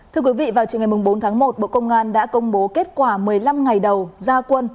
thưa quý vị vào chiều ngày bốn tháng một bộ công an đã công bố kết quả một mươi năm ngày đầu gia quân